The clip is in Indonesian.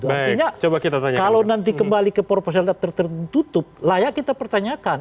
artinya kalau nanti kembali ke proporsional tertutup layak kita pertanyakan